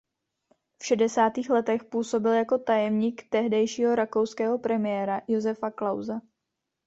V šedesátých letech působil jako tajemník tehdejšího rakouského premiéra Josefa Klause.